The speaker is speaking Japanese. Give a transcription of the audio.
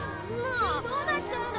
・地球どうなっちゃうの？